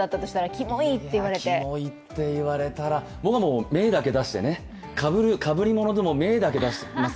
キモいって言われたら、僕はかぶりものでも、目だけ出します。